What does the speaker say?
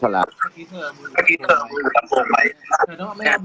ชัดแล้ว